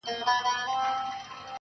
كوټه ښېراوي هر ماښام كومه.